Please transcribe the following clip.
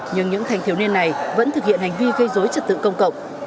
nhưng những thanh thiếu niên này vẫn thực hiện hành vi gây dối trật tự công cộng